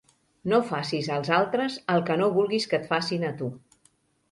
No facis als altres el que no vulguis que et facin a tu.